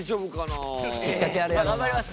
まあ頑張ります！